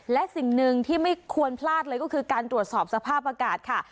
และสิ่งหนึ่งที่ไม่ควรพลาดเลยก็คือการตรวจสอบสภาพอากาศค่ะ